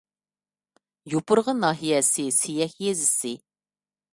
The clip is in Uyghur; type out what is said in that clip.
يوپۇرغا ناھىيەسى سىيەك يېزىسى